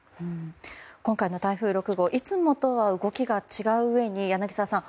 今回の台風６号いつもとは動きが違ううえに、柳澤さん